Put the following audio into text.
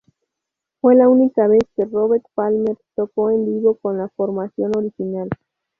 Fue la única vez que Robert Palmer tocó en vivo con la formación original.